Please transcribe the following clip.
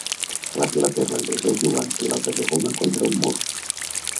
La Pilota Irlandesa es juga amb pilota de goma contra un mur.